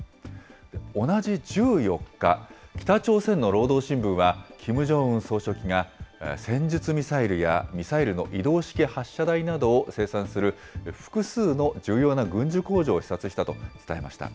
同じ１４日、北朝鮮の労働新聞は、キム・ジョンウン総書記が戦術ミサイルやミサイルの移動式発射台などを生産する、複数の重要な軍需工場を視察したと伝えました。